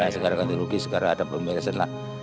ya segera ganti rugi segera ada pembebasan lah